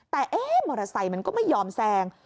แต่เอ๊ะมอเตอร์ไซค์มันก็ไม่ยอมแซง